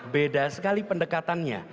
beda sekali pendekatannya